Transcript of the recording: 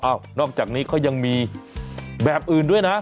นอกจากนี้เขายังมีแบบอื่นด้วยนะ